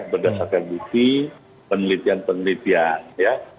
berdasarkan bukti penelitian penelitian ya